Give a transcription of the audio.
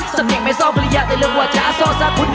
สำเนียงไม่ซ่อมภรรยาแต่เรียกว่าจะซ่อสะทุน